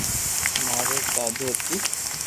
ماري دادو ھتي